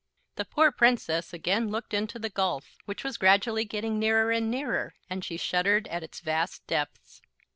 The poor Princess again looked into the gulf, which was gradually getting nearer and nearer; and she shuddered at its vast depths.